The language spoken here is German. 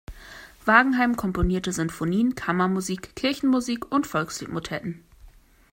Wangenheim komponierte Sinfonien, Kammermusik, Kirchenmusik und Volkslied-Motetten.